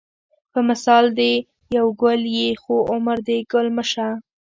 په مثال دې یو ګل یې خو عمر دې ګل مه شه